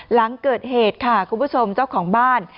หลังเกิดเหตุค่ะคุณผู้ชมเจ้าของบ้าน